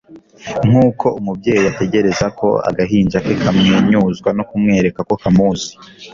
Nkuko umubyeyi ategereza ko agahinja ke kamwenyuzwa no kumwereka ko kamuzi,